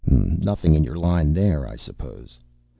Nothing in your line there, I suppose?"